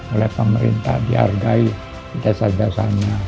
oleh pemerintah dihargai jasa jasanya